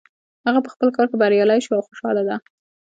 هغه په خپل کار کې بریالی شو او خوشحاله ده